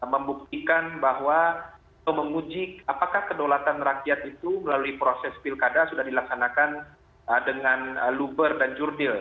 membuktikan bahwa atau menguji apakah kedaulatan rakyat itu melalui proses pilkada sudah dilaksanakan dengan luber dan jurdil